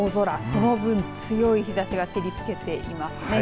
その分、強い日ざしが照りつけていますね。